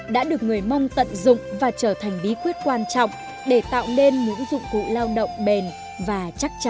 đã được người mong tận dụng và trở thành bí quyết quan trọng để tạo nên những dụng cụ lao động bền và chắc chắn